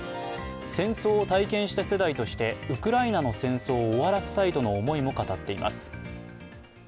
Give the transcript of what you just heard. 戦争を体験した世代としてウクライナの戦争を終わらせたいとの思いも語っています。